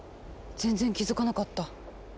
全然気付かなかった。